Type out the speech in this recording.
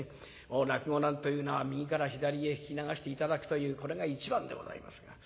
もう落語なんというのは右から左へ聞き流して頂くというこれが一番でございますが。